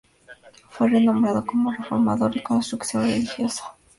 Fue renombrado como reformador y constructor religioso de templos.